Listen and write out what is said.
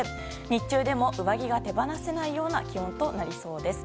日中でも上着が手放せないような気温となりそうです。